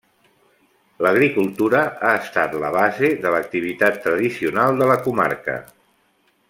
L'agricultura ha estat la base de l'activitat tradicional de la comarca.